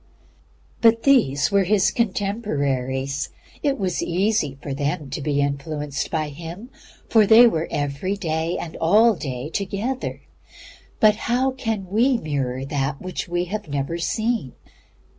But these were His contemporaries. It was easy for them to be influenced by Him, for they were every day and all the day together. But how can we mirror that which we have never seen?